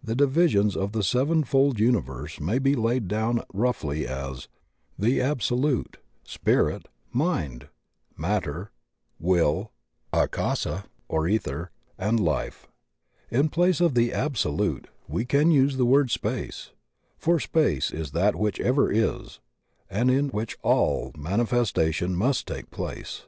The divisions of the sevenfold universe may be laid down roughly as: The Absolute, Spirit, Mind, Matter, Will, Akasa or iEther, and Life. In place of "the Absolute" we can use the word Space. For Space is that which ever is, and in which all mani festation must take place.